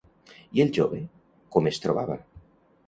I el jove com es trobava?